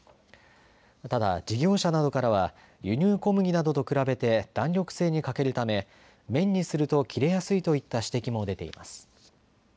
ただ事業者などからは輸入小麦などと比べて弾力性に欠けるため麺にすると切れやすいといった指摘も出ています。